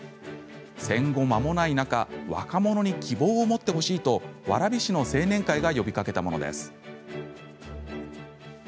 戦後まもない中若者に希望を持ってほしいと蕨市の青年会が呼びかけたものです。